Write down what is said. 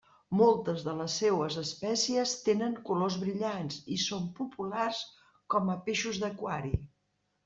Moltes de les seues espècies tenen colors brillants i són populars com a peixos d'aquari.